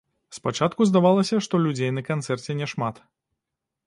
Спачатку здавалася, што людзей на канцэрце няшмат.